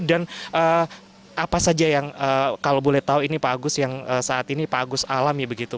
dan apa saja yang kalau boleh tahu ini pak agus yang saat ini pak agus alam ya begitu